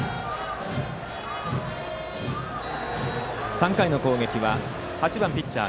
３回の攻撃は８番ピッチャー